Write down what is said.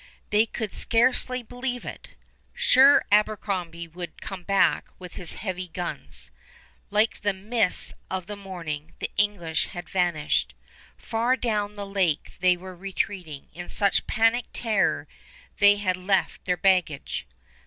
They could scarcely believe it! Surely Abercrombie would come back with his heavy guns. Like the mists of the morning the English had vanished. Far down the lake they were retreating in such panic terror they had left their baggage.